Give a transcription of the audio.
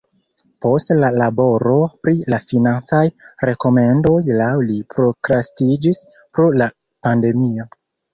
Poste la laboro pri la financaj rekomendoj laŭ li prokrastiĝis pro la pandemio.